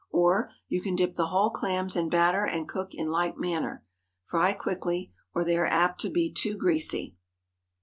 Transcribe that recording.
Or, you can dip the whole clams in batter and cook in like manner. Fry quickly, or they are apt to be too greasy.